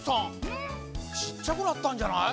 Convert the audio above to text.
ちっちゃくなったんじゃない？